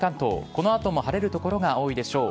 この後も晴れる所が多いでしょう。